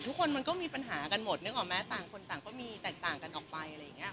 ทุกคนมันก็มีปัญหากันหมดนึกออกไหมต่างคนต่างก็มีแตกต่างกันออกไปอะไรอย่างนี้